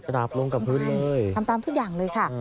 ดาบลงกับพื้นเลยทำตามทุกอย่างเลยค่ะ